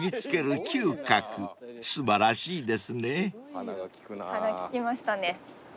鼻利きましたね。